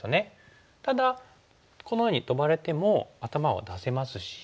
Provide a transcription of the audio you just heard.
ただこのようにトバれても頭は出せますし。